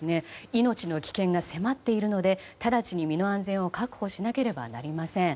命の危険が迫っているので直ちに身の安全を確保しなければなりません。